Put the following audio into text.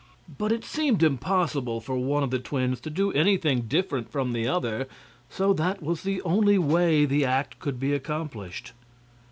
But it seemed impossible for one of the twins to do anything different from the other, so that was the only way the act could be accomplished.